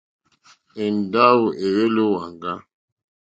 Èndáwò èhwélì ó wàŋgá.